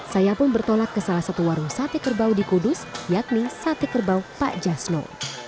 saya pun bertolak ke salah satu warung sate kerbau di kudus yakni sate kerbau pak jasno